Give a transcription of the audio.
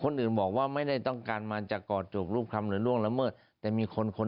โลกมันเปลี่ยน